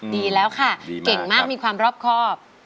ดีแล้วค่ะเก่งมากมีความรอบครอบ